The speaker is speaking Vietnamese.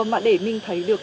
mà để mình thấy được